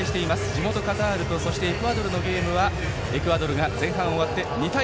地元カタールとエクアドルのゲームはエクアドルが前半終わって２対０。